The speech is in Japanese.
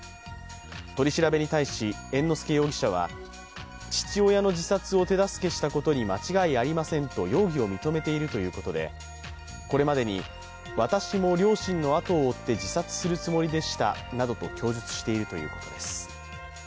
取り調べに対し、猿之助容疑者は父親の自殺を手助けしたことに間違いありませんと容疑を認めているということで、これまでに、私も両親の後を追って自殺するつもりでしたなどと供述しているということです。